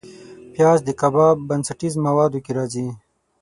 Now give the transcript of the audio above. پیاز د کباب بنسټیز موادو کې راځي